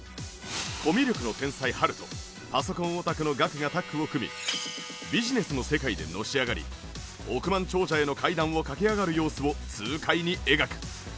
コミュ力の天才ハルとパソコンオタクのガクがタッグを組みビジネスの世界でのし上がり億万長者への階段を駆け上がる様子を痛快に描く。